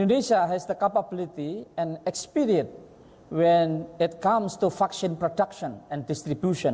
ketika berkaitan dengan produksi dan distribusi vaksin